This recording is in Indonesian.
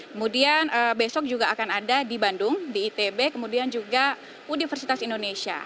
kemudian besok juga akan ada di bandung di itb kemudian juga universitas indonesia